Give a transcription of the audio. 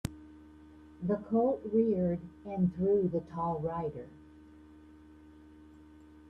The colt reared and threw the tall rider.